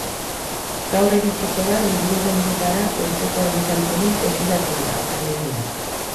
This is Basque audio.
Gaur iritsiko da liburudendetara urteko argitalpenik desiratuena,, alegia.